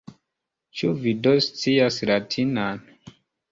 Ĉu vi do scias latinan?